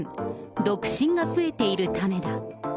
独身が増えているためだ。